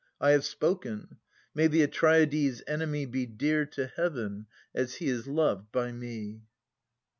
I have spoken. May the Atreidae's enemy Be dear to Heaven, as he is loved by me